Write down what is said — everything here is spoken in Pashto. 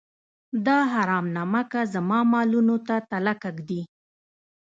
دا حرام نمکه زما مالونو ته تلکه ږدي.